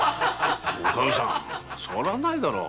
おカミさんそれはないだろう。